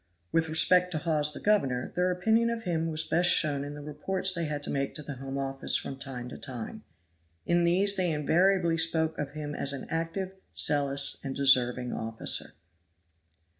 With respect to Hawes the governor, their opinion of him was best shown in the reports they had to make to the Home Office from time to time. In these they invariably spoke of him as an active, zealous and deserving officer.